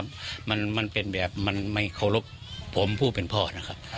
มันมันเป็นแบบมันไม่เคารพผมผู้เป็นพ่อนะครับ